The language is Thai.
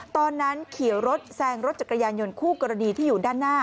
ตอนนั้นขี่รถแซงรถจักรยานยนต์คู่กรณีที่อยู่ด้านหน้า